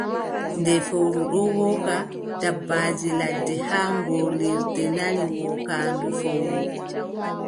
Nde fowru ɗon wooka, dabbaaji ladde haa ngoolirde nani wookaandu fowru.